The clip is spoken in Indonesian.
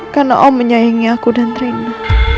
karena om menyayangi aku dan rina